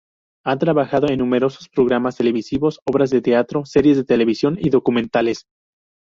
Ha trabajado en numerosos programas televisivos, obras de teatro, series de televisión y documentales.